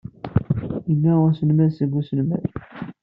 Yella uselmad seg uselmad.